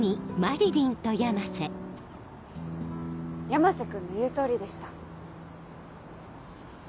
山瀬君の言う通りでした。